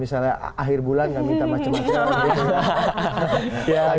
misalnya akhir bulan nggak minta macam macam